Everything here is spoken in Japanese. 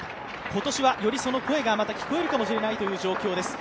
今年はよりその声がまた聞こえるかもしれないという状況です。